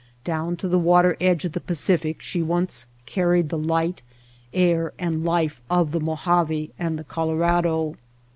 Down to the water edge of the Pacific she once carried the light, air, and life of the Mojave and the Colorado.